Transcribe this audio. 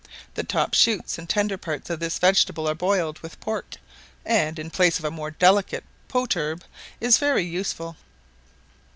The top shoots and tender parts of this vegetable are boiled with pork, and, in place of a more delicate pot herb, is very useful.